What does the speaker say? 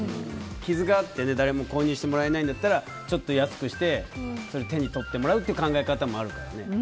傷があって誰も購入してもらえないんだったらちょっと安くして手に取ってもらうっていう考え方もあるからね。